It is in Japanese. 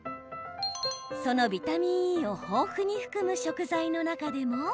そのビタミンＥを豊富に含む食材の中でも？